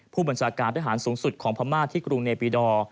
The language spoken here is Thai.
ผู้บัญชาการทหารสูงสุดของพม่าที่กรุงเนปีดอร์